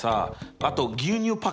あと牛乳パック。